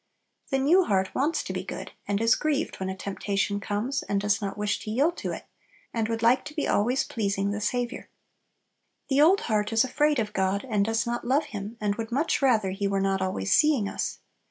The new heart wants to be good; and is grieved when a temptation comes, and does not wish to yield to it; and would like to be always pleasing the Saviour. The old heart is afraid of God, and does not love Him, and would much rather He were not always seeing us.